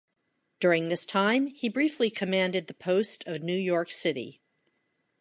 During this time he briefly commanded the post of New York City.